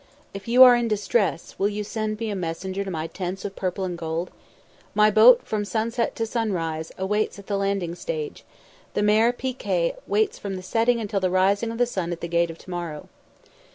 If you are in distress, will you send me a messenger to my Tents of Purple and Gold? ... My boat from sunset to sunrise waits at the landing stage ... the mare Pi Kay waits from the setting until the rising of the sun at the Gate of To morrow."